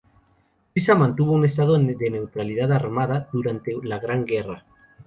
Suiza mantuvo un estado de "neutralidad armada" durante la "Gran Guerra".